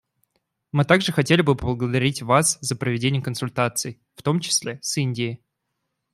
Мы также хотели бы поблагодарить вас за проведение консультаций, в том числе с Индией.